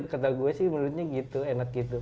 kata gue sih menurutnya gitu enak gitu